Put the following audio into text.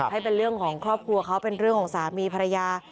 ให้เป็นเรื่องของครอบครัวเขาเป็นเรื่องของสามีภรรยา